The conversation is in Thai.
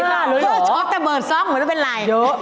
รู้หรือโหชอบแต่เบิดซ้อมเหมือนจะเป็นไรเยอะ